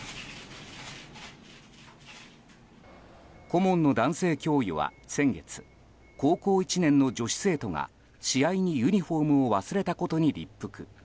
顧問の男性教諭は先月高校１年の女子生徒が試合にユニホームを忘れたことに立腹。